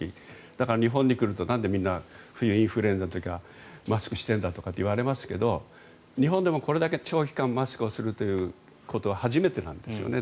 だから日本に来るとなんでみんな冬、インフルエンザの時はマスクをしてるんだとか言われますけど日本でもこれだけ長期間マスクをするということは初めてなんですよね。